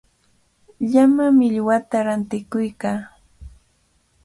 Llama millwata rantikuykaa.